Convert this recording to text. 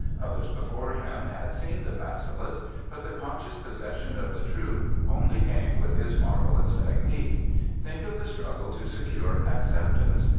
Others before him had seen the bacillus, but the conscious possession of the truth only came with his marvellous technique. Think of the struggle to secure acceptance!